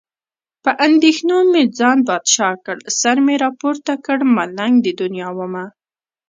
په اندېښنو مې ځان بادشاه کړ. سر مې راپورته کړ، ملنګ د دنیا ومه.